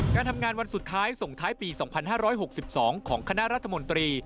การทำงานวันสุดท้ายส่งท้ายปี๒๕๖๒ของคณะรัฐมนตรี